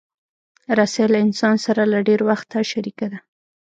رسۍ له انسان سره له ډېر وخته شریکه ده.